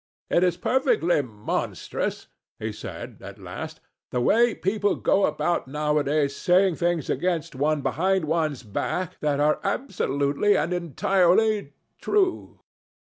"It is perfectly monstrous," he said, at last, "the way people go about nowadays saying things against one behind one's back that are absolutely and entirely true."